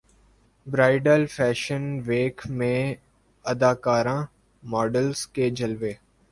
bridal fashion week میں اداکاراں models کے جلوے